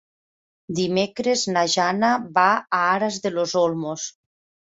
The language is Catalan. Dimecres na Jana va a Aras de los Olmos.